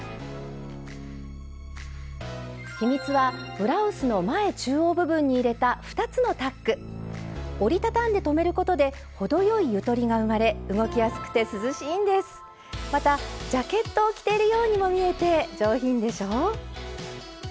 秘密はブラウスの前中央部分に入れた折りたたんで留めることで程よいゆとりが生まれまたジャケットを着ているようにも見えて上品でしょう。